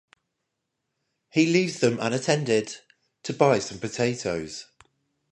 He leaves them unattended to buy some potatoes.